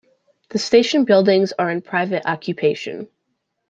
The station buildings are in private occupation.